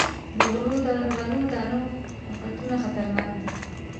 د غلو دانو افتونه خطرناک دي.